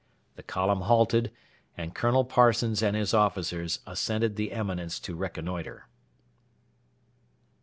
The column halted, and Colonel Parsons and his officers ascended the eminence to reconnoitre.